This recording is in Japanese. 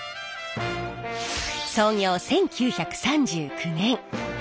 創業１９３９年。